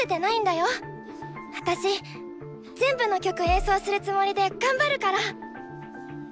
私全部の曲演奏するつもりで頑張るから！